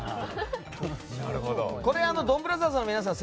これ、ドンブラザーズの皆さん